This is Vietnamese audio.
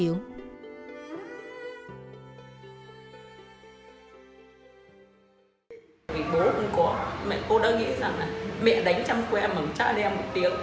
vì bố cũng có mẹ cô đã nghĩ rằng là mẹ đánh trăm que mà cháu đem một tiếng